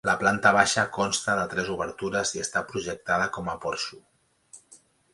La planta baixa consta de tres obertures i està projectada com a porxo.